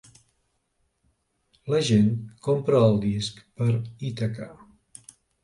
La gent compra el disc per Ítaca.